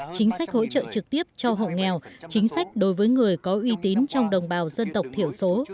chính sách hỗ trợ trực tiếp cho hộ nghèo chính sách đối với người có uy tín trong đồng bào dân tộc thiểu số